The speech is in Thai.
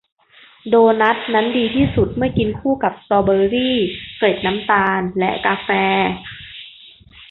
โดนัทนั้นดีที่สุดเมื่อกินคู่กับสตรอเบอร์รี่ เกล็ดน้ำตาล และกาแฟ